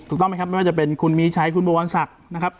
ถูกต้องไหมครับไม่ว่าจะเป็นคุณมีชัยคุณบวรศักดิ์นะครับ